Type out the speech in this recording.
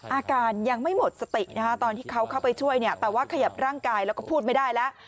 อาการยังไม่หมดสตินะคะตอนที่เขาเข้าไปช่วยเนี่ยแต่ว่าขยับร่างกายแล้วก็พูดไม่ได้แล้ว